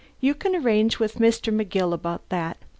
You can arrange with Mr. McGill about that.